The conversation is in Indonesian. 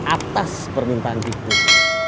atas permintaan dik dik